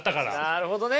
なるほどね。